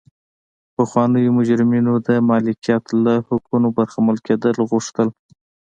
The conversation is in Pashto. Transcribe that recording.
پخوانیو مجرمینو د مالکیت له حقونو برخمن کېدل غوښتل.